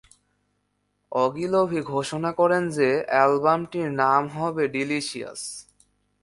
Ogilvy ঘোষণা করেন যে অ্যালবামটির নাম হবে "ডিলিসিয়াস"।